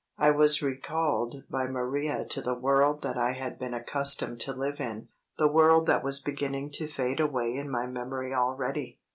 I was recalled by Maria to the world that I had been accustomed to live in; the world that was beginning to fade away in my memory already.